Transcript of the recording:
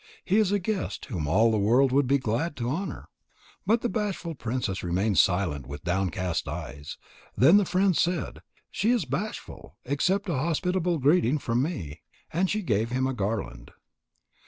He is a guest whom all the world would be glad to honour." But the bashful princess remained silent with downcast eyes. Then the friend said: "She is bashful. Accept a hospitable greeting from me." And she gave him a garland.